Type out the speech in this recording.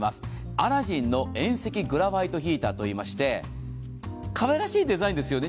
アラジンの遠赤グラファイトヒーターといいまして、かわいらしいデザインですよね。